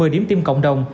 một mươi điểm tiêm cộng đồng